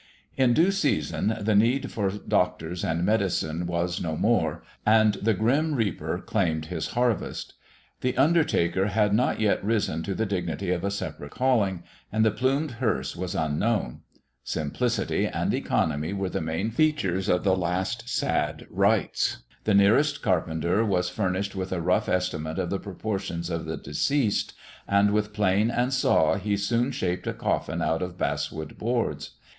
In due season the need for doctors and medicine was no more, and the grim reaper claimed his harvest. The undertaker had not yet risen to the dignity of a separate calling, and the plumed hearse was unknown. Simplicity and economy were the main features of the last sad rites; the nearest carpenter was furnished with a rough estimate of the proportions of the deceased, and, with plane and saw, he soon shaped a coffin out of basswood boards.